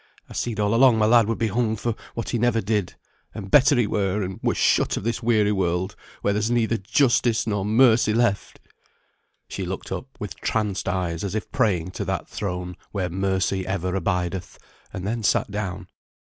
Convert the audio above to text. I seed all along my lad would be hung for what he never did. And better he were, and were shut of this weary world, where there's neither justice nor mercy left." [Footnote 49: "Shut," quit.] She looked up with tranced eyes as if praying to that throne where mercy ever abideth, and then sat down.